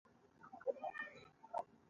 قدرت باید مهار شي او د قانون تابع وي.